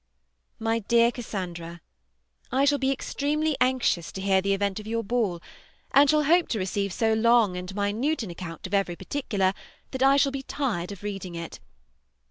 MY DEAR CASSANDRA, I shall be extremely anxious to hear the event of your ball, and shall hope to receive so long and minute an account of every particular that I shall be tired of reading it.